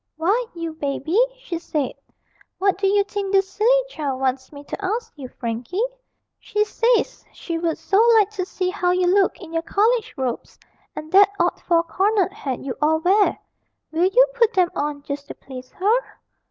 'Why, you baby,' she said, 'what do you think this silly child wants me to ask you, Frankie? She says she would so like to see how you look in your college robes and that odd four cornered hat you all wear. Will you put them on, just to please her?'